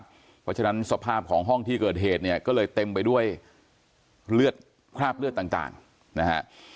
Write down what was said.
เพราะฉะนั้นสภาพของห้องที่เกิดเหตุเนี่ยก็เลยเต็มไปด้วยเลือดคราบเลือดต่างนะฮะ